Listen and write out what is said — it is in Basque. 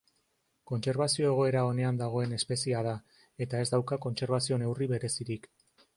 Kontserbazio-egoera onean dagoen espeziea da, eta ez dauka kontserbazio-neurri berezirik.